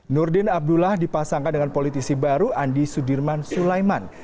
nurdin abdullah dipasangkan dengan politisi baru andi sudirman sulaiman